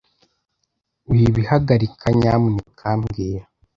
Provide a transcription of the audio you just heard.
Wabihagarika, nyamuneka mbwira